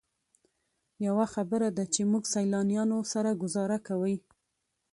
یوه خبره ده چې موږ سیلانیانو سره ګوزاره کوئ.